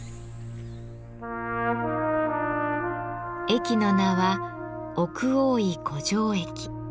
駅の名は奥大井湖上駅。